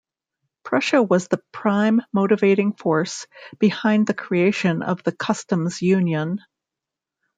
Prussia was the prime motivating force behind the creation of the customs union.